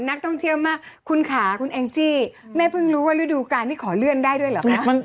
น้องมิลก็ไปอย่างอธิบายแม่เนอะ